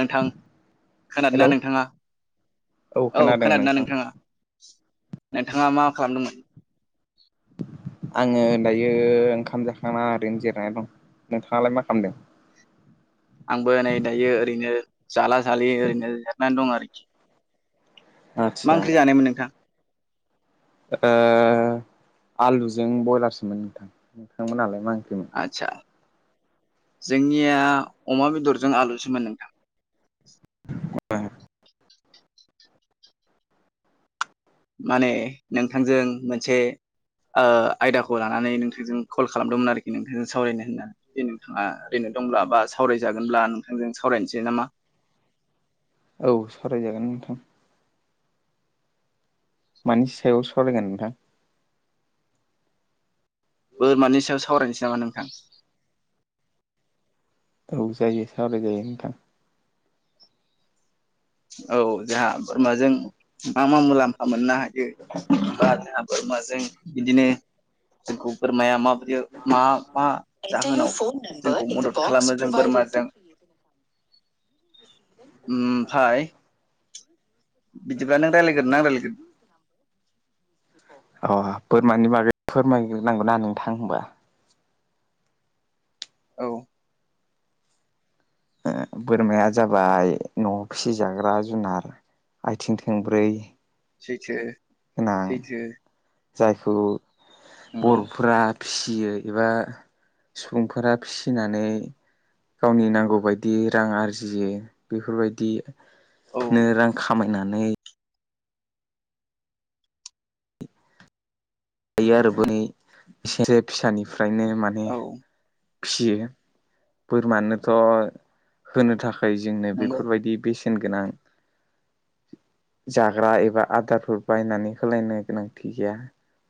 नोंथां खोनादोंना हेलौ नोंथाङा? औ खोनादों खोनादोंना नोंथां नोंथाङा? नोंथाङा मा खालामदोंमोन? आङो दायो ओंखाम जाखांना ओरैनो जिरनानै दं। नोंथाङालाय मा खालामदों? आंबो नै दायो ओरैनो जाला जालि ओरैनो जिरनानै दं आरोखि। मा आतसा ओंख्रि जानायमोन नोंथां? ओ आलुजों बयलारसोमोन नोंथां नोंथांमोन नालाय मा ओंख्रिमोन? आदसा जोंनिया अमा बेदरजों आलुसोमोन नोंथां। माने नोंथांजों मोनसे आ-आयदाखौ लानानै नोंथांजों कल खालामदोंमोन आरोखि। नोंथांजों सावरायनो होननानै जे नोंथाङा ओरैनो दंब्ला बा सावरायजागोनब्ला नोंथांजों सावरायनोसै नामा? औ सावरायजागोन नोंथां। मानि सायाव सावरायगोन नोंथां? बोरमानि सायाव सावरायनोसै नामा नोंथां? औ जायो सावराय जायो नोंथां। औ जाहा बोरमाजों मा मा मुलाम्फा मोननो हायो बा जाहा बोरमाजों बिदिनो जोंखौ बोरमाया माबोरदि मा मा जाहोनाव जोंखौ मदद खालामो जों बोरमाजों ओमफाय बिदिब्ला नों रायगोरनो ना आं रायलायगो अ बोरमानि बागै फोरमायग्रोनांगौना नोंथां होनबा? औ। ओ बोरमाया जाबाय न'आव फिसिजाग्रा जुनार। आथिं थोंब्रै सैथो। गोनां सैथो जायखौ नंगौ बर'फोरा फिसियो एबा सुबुंफोरा फिसिनानै गावनि नांगौबायायदि रां आरजियो बेफोरबायदि औ नो रां खामायनानै जायो आरो। बै बिसोरो फिसानिफ्रायनो माने औ फियो बोरमानोथ' होनो थाखाय जोंनो नंगौ बेफोरबायदि बेसे न गोनां जाग्रा एबा आदारफोर बायनानै होलायनो गोनांथि गैया।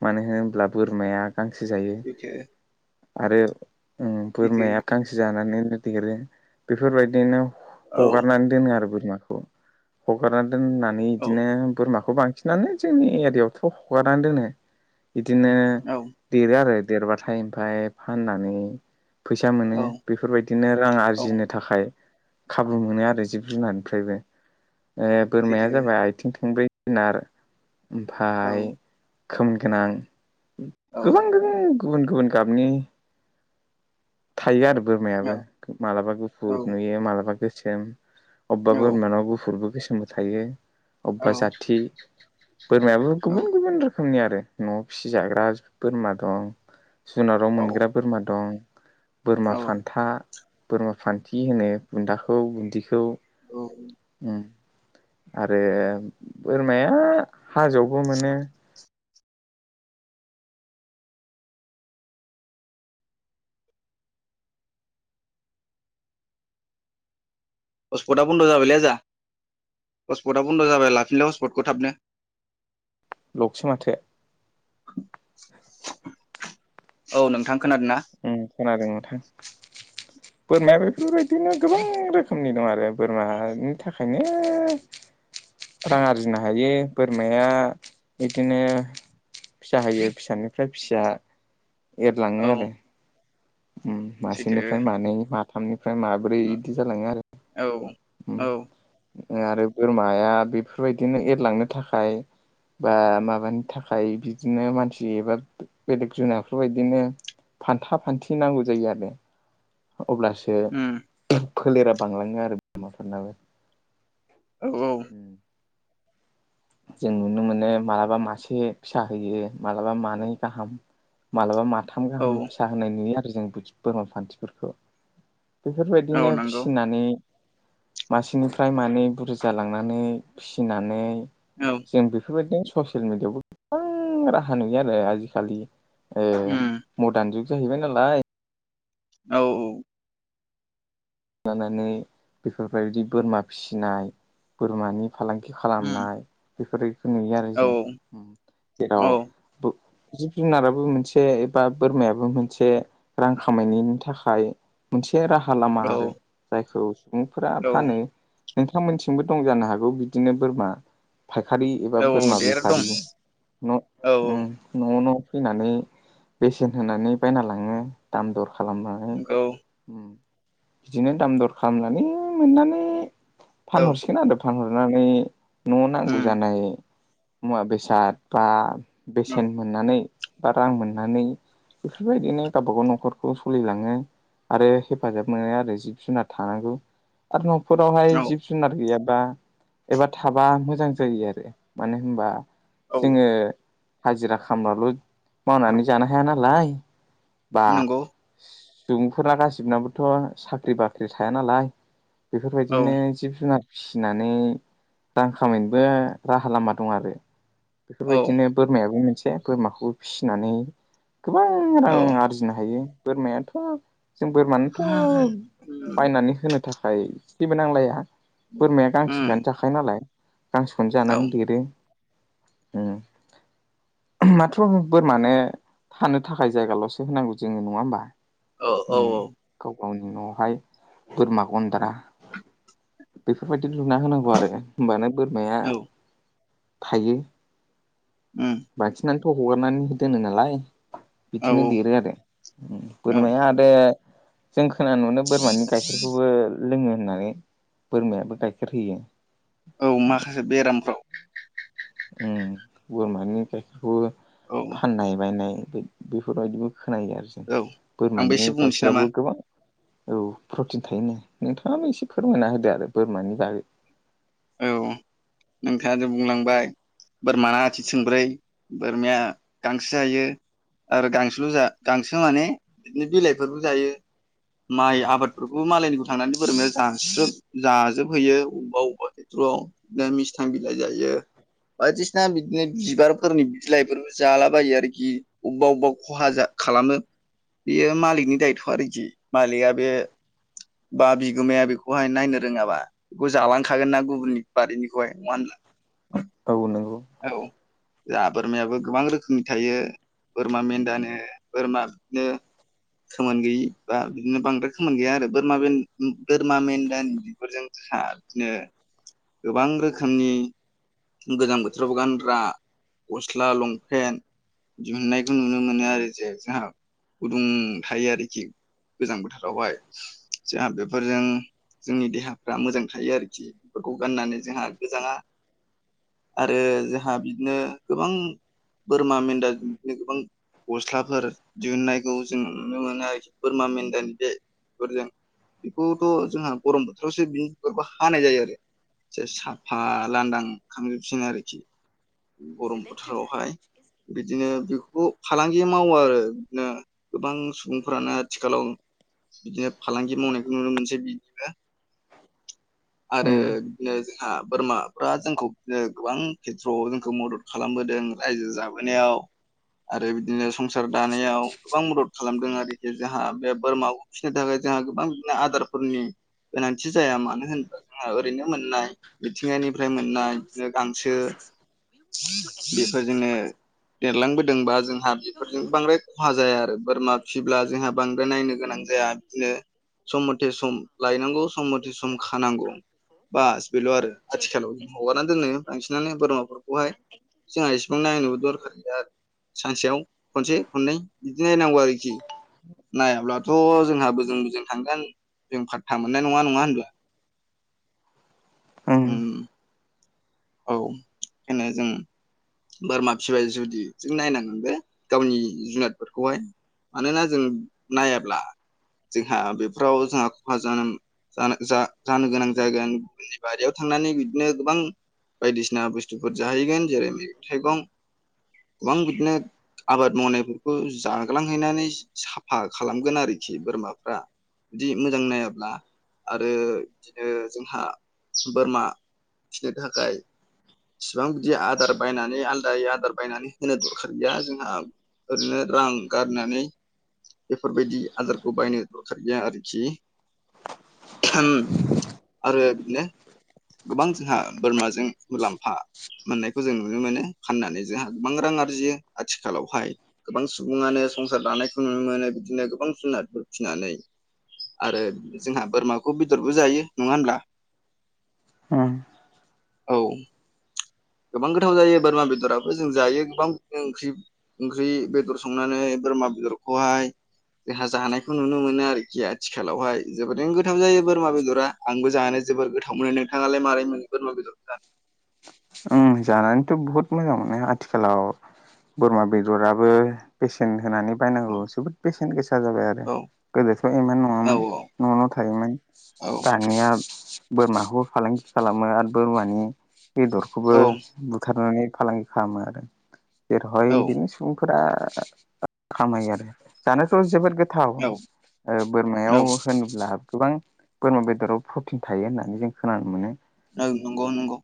मानो होनब्ला बोरमाया गांसो जायो सैथो आरो ओ सैथो बोरमाया गांसो जानानै दिरो बेफोरबायदिनो औ ह-हगारनानै दोनो आरो बोरमाखौ। हगारना दोननानै औ बिदिनो बोरमाखौ बां सिनानो जोंनि एरियाआवथ' हगारना दोनो। बिदिनो औ देरो आरो देरबाथाय ओमफाय फाननानै फैसा मोनो। औ बेफोरबायदिनो रां औ आरजिनो थाखाय खाबु मोनो आरो जिब जुनारनिफ्रायबो। ओ बोरमाया सैथो जाबाय आथिं थंब्रै जुनार औ ओमफाय खो औ खोना थायो औ औ अबेबाोोरमानाव औ गुफुरबो गोसोमबो थायो औ [unintelligible] न'आव फिसिजाग्रा बोरमा दं जुनाराव औ मोनग्रा बोरमा दं। बोरमा औ फान्था बोरमा फान्थि होनो बुन्दाखौ बुन्दिखौ। औ उ आरो बोरमाया हाजो आवबो मोनो। पसपुान्द्र जाबलाय जा हस्पटआ बन्द' जाबाय लाफिनल हस्पटखौ थाबनो। लखसि माथो [unintelligible] ओ खोनादों नोंथां। बोरमाया बेफोरबायदिनो गोबां रोखोमनि दं आरो बोरमानि थाखायनो। रां आरजिनो हायो बोरमाया बिदिनो। फिसा होयो फिसानिफ्राय फिसिया औ एरलाङो आरो ओ मासेनिफ्राय सैथो मानै माथामनिफ्राय माब्रै बिदि जालाङो आरो औ उम औ आरो बोरमाया बेफोरबायदिनो एरलांनो थाखाय। बा माबानि थाखाय। फान्था फान्थि नांगौ जायो आरो अब्लासो उम फोलेरा बांलाङो आरो बिमाफोरनाबो। औ औ उम जों नुनो। मालाबा माथाम औ गाहाम फिसा होनाय नुयो आरो जों बोरमा फान्थिफोरखौ औ बेफोरबायदिनो नंगौ फिसिनानै। मासेनिफ्राय मानै बुरज जालांनानै फिसिनानै औ जों बेफोरबायदिनो ससियेल मिेडियायावबो गोबां राहा नुयो आरो आजिखालि उम मदार्न जुग जाहैबाय नालाय। औ लानानै बेफोरबायदि बोरमा फिसिनाय बोरमानि फालांगि उम खालामनाय बेफोरखौ नुयो आरो औ जों जेराव जिब जुनाराबो मोनसे एबा बोरमायाबो मोनसे रां खामायनायनि थाखाय मोनसे राहा औ लामा आरो। जायखौ सुबुंफोरा औ फानो नोंथांमोनथिंबो दं जानो हागौ बिदिनो बोरमा फायखारि एबा औ औ बोरमा देर दं बेफारि न' औ उम न' न' फैनानै बेसेन होनानै बायना लाङो दाम दर खालामनानै। औ बिदिनो दाम दर खालामनानै मोननानै औ फानहरसिगोन आरो फानहरनानै। न' नांगौ उम जानाय। औ मोननानै बा रां मोननानै। बेफोरबायदिनो गावबा गाव न'खरखौ सोलिलाङो आरो हेफाजाब मोनो आरो औ [unintelligible] जुनार गैयाबा औ जोङो हाजिरा खामबाल' मावनानै जानो हाया नालाय। बा नंगौ औ बेफोरबायदिनो जिब जुनार फिसिनानै रां खामायनोबो राहा लामा दं आरो औ बेफोरबायदिनो बोर बोरमायाबो मोनसे बोरमाखौ फिसिनानै गोबां रां आरजि फिनो हायो बोरमायाथ' जों उम औ बोरमानोथ' बायनानै होनो थाखाय सिबो नांलाया बोरमाया गांसेआानो जाखायो नालाय। गांसेखौनो औ जानानै उम देरो। माथ्र' बोरमानो थानो थाखाय जायगाल'सो होनांगौ जोङो नङा होमबा? उम गाव गावनि न' बेवहाय बोरमा गन्द्रा बेफोरबायदि लुना होनांगौ आरो होमबानो बोरमाया थायो। उम बखिनानैथ' हगारनानै दोनो नालाय औ बिदिनो देरो आरो औ बोरमाया बे जों खोनानो मोनो बोरमानि गाइखेरखौबो लोङो होननानै बोरमायाबो गाइखेर होयो औ माखासे बेरामफ्राव बोरमानि गाइखेरखौबो औ फाननाय बायनाय बेफोरबायदिबो खोनायो आरो जों औ आंबो बोरमानि एसे बुंनोसै नामा गाइखेराबो गोबां औ प्रटिन थायोना नोंथाङाबो एसे फोरमायना होदो आरो बोरमानि बागै। औ नोंथाङा जों बुंलांबाय बोरमाना आथि थोंब्रै बोरमाया गांसो जायो आरो गांसो जा गांसो माने बिदिनो बिलाइफोरबो जायो माइ आबादफोरखौबो मालायनिखौ थांनानै बोरमाया जाजोब जाजोबहैयो अबेबा अबेबा खेथ्र'आव बिदिनो मिस्थां बिलाइ जायो बायदिसिना बि बिदिनो बिबारफोरनि बिलाइफोरबो जालाबायो आरोखि अबेबा अबेबा खहा जा खालामो बेयो मालिकनि दायथ' आरोखि मालिकआ बे बा बिगोमाया बेखौहाय नायनो रोङाबा बेखौ जालांखागोन ना गुबुन गुबुननि बारिनिखौहाय नङा होनब्ला? औ नंगौ औ जाहा बोरमायाबो गोबां रोखोमनि थायो। बोरमा मेन्दानो बोरमा बिदिनो खोमोन गैयि बा बिदिनो बांद्राय खोमोन गैया आरो बोरमा बे बोरमा मेन्दानि बिगुरजों खा बिदिनो गोबां रोखोमनि गोजां बोथोराव गानग्रा गस्ला लंपेन्ट दिहुनन्नायखौ नुनो मोनो आरो जे जोंहा गुदुं थायो आरोखि गोजां बोथोरावहाय। जोंहा बेफोरजों जोंनि देहाफ्रा मोजां थायो आरोखि। फोरखौ गाननानै जोंहा गोजाङा आरो जोंहा बिदिनो गोबां बोरमा मेन्दा [unintelligible] गोबां गस्लाफोर दिहुन्नायखौ जों नुनो मोनो [unintelligible] बोरमा मेन्दा [unintelligible] बेफोरजों बेखौथ' जोंहा गरम बोथोरावसो बिनि [unintelligible] हानाय जायो आरो से साफा लांदां खामजोबसिनो आरोखि गरम बोथोरावहाय बिदिनो बेफोरखौ फालांगि मावो आरो बिदिनो गोबां सुबुंफोरानो आथिखालाव बिदिनो फालांगि मावनायखौ नुनो मोनसै बिदिनो आरो ओं बिदिनो जोंहा बोरमाफ्रा जोंखौ बिदिनो गोबां खेथ्रआव जोंखौ मदद खालामबोदों रायजो जाबोनायाव आरो बिदिनो संसार दानायाव गोबां मदद खालामदों आरोखि जाहा बे बोरमाखौ फिसिनो थाखाय जोंहा गोबां बिदिनो आदारफोरनि गोनांथि जाया मानो होनोबा जोंहा ओरैनो मोननाय मिथिंगानिफ्राय मोननाय बिदिनो गांसो बेफोरजोंनो देरलांबोदोंबा जोंहा बेफोरजों बांद्राय खहा जाया आरो बोरमा फिब्ला जोंहा बांद्राय नायनो गोनां जाया बिनो सम मथे सम लायनांगौ सम मथे सम खानांगौ बास बेल' आरो आथिखालाव हगारना दोननो बांसिनानो बोरमाफोरखौहाय जोंहा इसिबां नायनोबो दरखारनिया आरो सानसेयाव खनसे खननै बिदिनो [unintelligible] नायाब्लाथ' जोंहा बोजों बोजों थांगोन जों फाथ्था मोननाय नङा नङा होनबा ओं उम औ ओंखायनो जों बोरमा फिबाय जुदि जों नायनांगोन बे गावनि जुनादफोरखौहाय मानोना जों नायाब्ला जोंहा बेफ्राव जोंहा खहा जानोम जानो जा-जानो गोनां जागोन [unintelligible] बारियाव थांनानै बिदिनो गोबां बायदिसिना बुस्थुफोर जाहैगोन जेरै मैगं थाइगं गोबां बिदिनो आबाद मावनायफोरखौ जाग्लांहैनानै साफा खालामगोन आरोखि बोरमाफ्रा बिदि मोजां नायाब्ला आरो बिदिनो जोंहा बोरमा फिनो थाखाय बिसिबां बिदि आदार बायनानै आलादाय आदार बायनानै होनो दं खैया जोंहा ओरैनो रां गारनानै बेफोरबायदि आदारखौ बायनो दरखार गैया आरोखि [unintelligible] आरो बिदिनो गोबां जोंहा बोरमाजों मुलाम्फा मोननायखौ जों नुनो मोनो फाननानै जोंहा गोबां रां आरजियो आथिखालावहाय गोबां सुबुङानो संसार दानाय [unintelligible] नो मोनो बिदिनो गोबां जुनारफोर फिनानै आरो जोंहा बोरमाखौ बेदरबो जायो नङा होमब्ला उम औ गोबां गोथाव जायो बोरमा बेदराव जों जायो गोबां ओंख्रि ओंख्रि बेदर संनानै बोरमा बेदरखौहाय जोंहा जानायखौ नुनो मोनो आरोखि आद थिखालावहाय जोबोरैनो गोथाव जायो बोरमा बेदरा आंबो जानो जोबोर गोथाव मोनो नोंथाङालाय मारै मोनो बोरमा बेदर [unintelligible] उम जानानैथ' बहुत मोजां माने आथिखालाव बोरमा बेदराबो बेसेन होनानै बायनांगौ जोबोद बेसेन गोसा जाबाय आरो औ गोदोथ' इमान औ नङामोन औ न'न' थायोमोन औ दानाया बोरमाखौबो फालांगि खालामो आरो बोरमानि बेदरखौबो औ बुथारनानै फालांगि खालामो आरो जेरहाय औ बिदिनो सुबुंफोरा खामायो आरो जानायाथ' जोबोद गो थाव औ ओ बोरमायाव औ होनोब्ला गोबां बोरमा बेदराव प्रटिन थायो होननानै जों खोनानो मोनो औ नंग' नंग'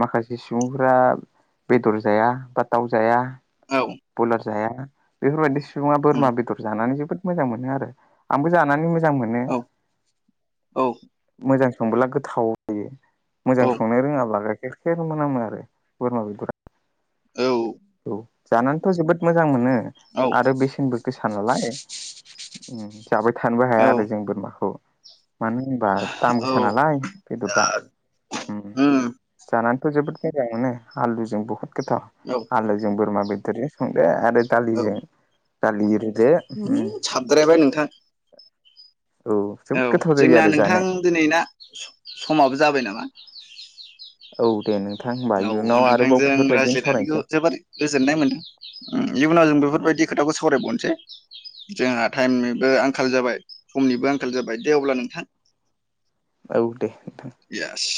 माखासे सुबुंफोरा बेदर जाया बा दाउ जाया औ बयलार जाया बेफोरबायदि सुबुङा औ बोरमा बेदर जानानै जोबोर मोजां मोनो आरो आंबो जानानै मोजां मोनो। मोजां औ औ मोनो मोजां संबोला गोथाव जायो। मोजां संनो रोङाब्ला गाइखेर खेर मोनामो आरो बोरमा बेदरा औ औ जानानैथ' जोबोद मोजां मोनो औ आरो बेसेनबो गोसा नालाय जाबाय थानोबो औ हाया आरो जों बोरमाखौ मानो होनबा दाम औ गोसा नालाय बेदरा ओम उम जानानैथ' जोबोद [unintelligible] मोनो आलुजों बहुत गोथाव औ आलोजों बोरमा बेदरजों संदो आरो औ दालिजों दालि रुदो आ साबद्रायबाय नोंथां औ जोबोद गोथाव जायो जोंना आरो नोंथां जानो दिनै ना समाबो जाबाय नामा औ दे नोंथां होमबा औ इयुनाव आरोबाव नोंथांजों बेफोरबायदिनो रायज्लायनानैखौ सावरायनोसै जोबानो गोजोननाय मोनदों इयुनाव जों बेफोरबायदि खोथाखौ सावरायबावनोसै जोंहा टाइमनिबो आंखाल जाबाय समनिबो आंखाल आंखाल जाबाय दे अब्ला नोंथां औ दे नोंथां इएस